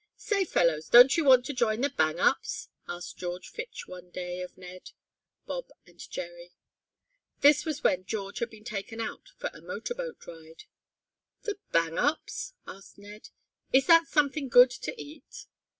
"Say, fellows, don't you want to join the Bang Ups?" asked George Fitch one day of Ned, Bob and Jerry. This was when George had been taken out for a motor boat ride. "The Bang Ups?" asked Ned. "Is that something good to eat?"